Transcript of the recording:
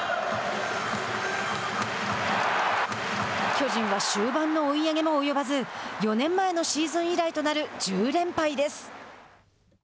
巨人は終盤の追い上げも及ばず４年前のシーズン以来となる１０連敗です。